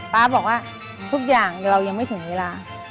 ป๊าบอกว่าทุกอย่างเรายังไม่ถึงเวลา